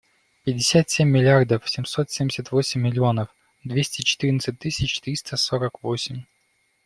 Пятьдесят семь миллиардов семьсот семьдесят восемь миллионов двести четырнадцать тысяч триста сорок восемь.